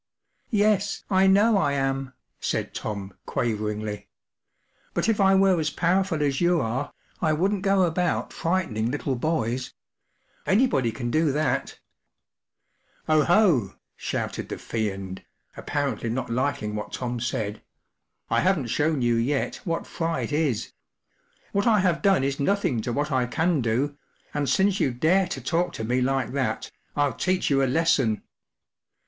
“ Yes, I know I am/ 5 said Tom, quaveringly. “ But if I were as powerful as you are, I wouldn't go about frightening little boys. Anybody can do that" “ Oh, ho ! ” shouted the Fiend, apparently not liking what Tom said. “I haven’t shown you yet what fright is; what I have done is nothing to what I can do, and since you dare to talk to me like that, Ill teach you a lesson."